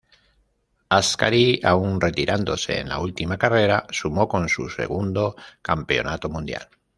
Ascari, aún retirándose en la última carrera, sumó con su segundo campeonato mundial.